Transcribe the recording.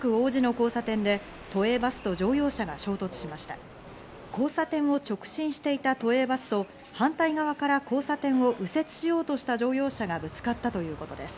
交差点を直進していた都営バスと反対側から交差点を右折しようとした乗用車がぶつかったということです。